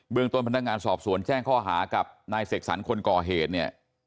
ต้นพนักงานสอบสวนแจ้งข้อหากับนายเสกสรรคนก่อเหตุเนี่ย